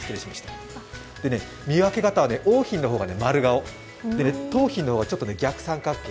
見分け方は桜浜の方が丸顔、桃浜の方がちょっと逆三角形。